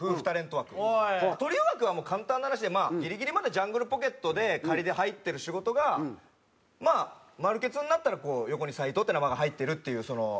トリオ枠はもう簡単な話でまあギリギリまでジャングルポケットでで入ってる仕事がマル決になったら横に「斉藤」って名前が入ってるっていうその。